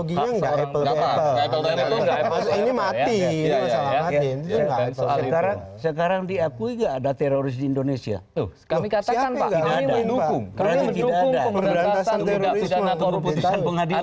ini sudah politis ini